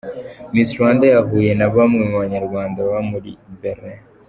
Miss Rwanda yahuye na bamwe mu banyarwanda baba muri Berlin.